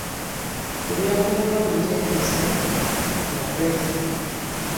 Tubyawulemu emiteeko esatu tulabe.